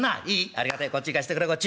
ありがてえこっち貸してくれこっち。